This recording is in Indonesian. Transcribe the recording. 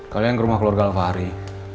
kalian ke rumah keluarga alfahri